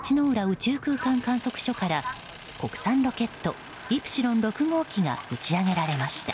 宇宙空間観測所から国産ロケット「イプシロン６号機」が打ち上げられました。